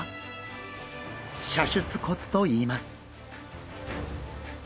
射出骨といいます。